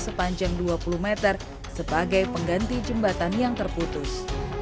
sepanjang dua puluh meter sebagai pengganti jembatan yang terputus